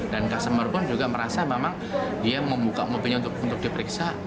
dan customer pun juga merasa memang dia membuka mobilnya untuk diperiksa